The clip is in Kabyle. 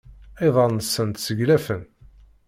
Iḍan-nsent sseglafen.